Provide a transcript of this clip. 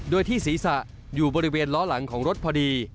โดยที่ศีรษะอยู่บริเวณล้อหลังของรถพอดี